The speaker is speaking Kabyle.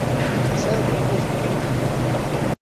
Tesɛiḍ lweqt azekka tameddit?